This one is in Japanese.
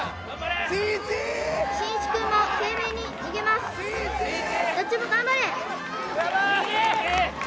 しんいちくんも懸命に逃げますどっちも頑張れ！